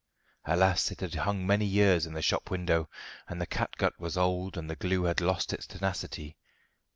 Alas! it had hung many years in the shop window, and the catgut was old and the glue had lost its tenacity.